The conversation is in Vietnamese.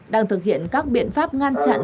đang thực hiện các biện pháp ngăn chặn